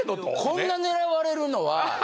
こんな狙われるのは。